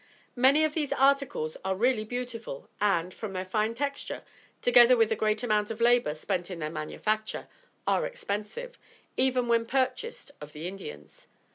Many of these articles are really beautiful, and, from their fine texture, together with the great amount of labor spent in their manufacture, are expensive, even when purchased of the Indians.